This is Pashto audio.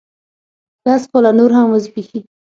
لس کاله نور هم وزبیښي